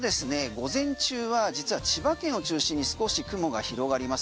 午前中は実は千葉県を中心に少し雲が広がります。